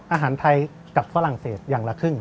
อาหารไทยกับฝรั่งเศสอย่างละครึ่ง